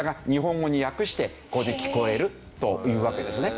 日本語に訳してこれで聞こえるというわけですね。